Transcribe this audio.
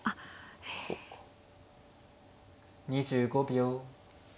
２５秒。